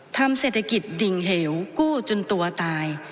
ทำเศรษฐกิจดิ่งเหวกู้จนตัวตาย